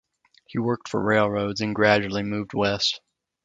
He worked for railroads, and gradually moved west.